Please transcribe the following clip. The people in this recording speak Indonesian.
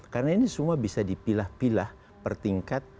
karena ini semua bisa dipilah pilah per tingkat